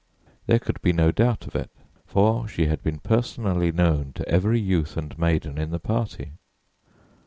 There could be no doubt of it, for she had been personally known to every youth and maiden in the party.